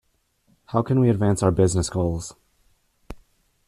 How can we advance our business goals?